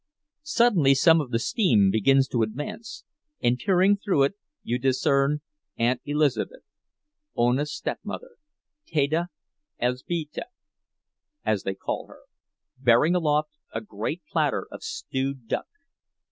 Suddenly some of the steam begins to advance, and, peering through it, you discern Aunt Elizabeth, Ona's stepmother—Teta Elzbieta, as they call her—bearing aloft a great platter of stewed duck.